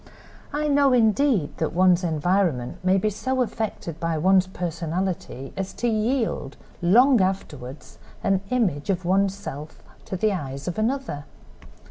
I know, indeed, that one's environment may be so affected by one's personality as to yield, long afterward, an image of one's self to the eyes of another.